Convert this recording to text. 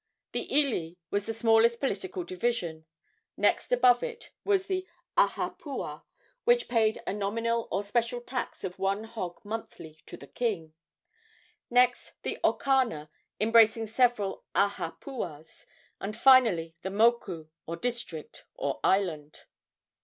The ili was the smallest political division; next above it was the ahapuaa, which paid a nominal or special tax of one hog monthly to the king; next the okana, embracing several ahapuaas; and finally the moku, or district, or island.